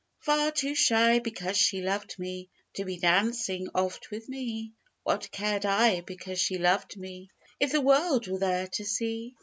Far too shy, because she loved me, To be dancing oft with me; What cared I, because she loved me, If the world were there to see?